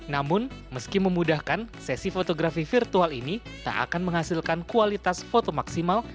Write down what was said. namun meski memudahkan sesi fotografi virtual ini tak akan menghasilkan kualitas foto maksimal